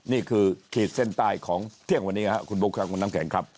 ขีดเส้นใต้ของเที่ยงวันนี้ครับคุณบุ๊คครับคุณน้ำแข็งครับ